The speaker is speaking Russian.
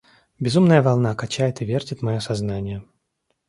Безумная волна качает и вертит мое сознание...